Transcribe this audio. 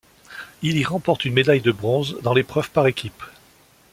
Il y remporte une médaille de bronze dans l'épreuve par équipes.